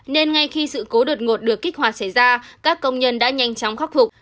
nên ngay khi sự cố đột ngột được kích hoạt xảy ra các công nhân đã nhanh chóng khắc phục